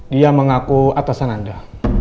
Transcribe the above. dia mengaku atasan anda